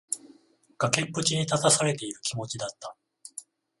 崖っぷちに立たされている気持ちだった。